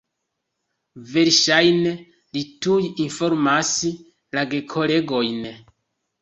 Verŝajne li tuj informas la gekolegojn.